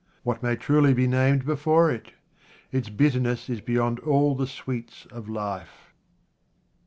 What may truly be named before it ? Its bitterness is beyond all the sweets of life.